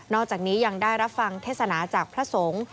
อกจากนี้ยังได้รับฟังเทศนาจากพระสงฆ์